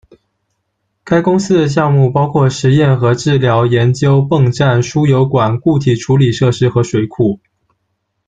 该公司的项目，包括试验和治疗研究、泵站、输油管、固体处理设施和水库。